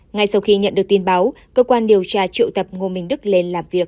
ngay sau khi nhận được tin báo cơ quan điều tra triệu tập ngô minh đức lên làm việc